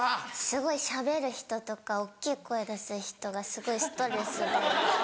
すごいしゃべる人とか大っきい声出す人がすごいストレスで。